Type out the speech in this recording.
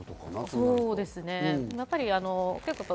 そうですね。